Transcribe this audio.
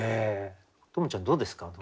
十夢ちゃんどうですか？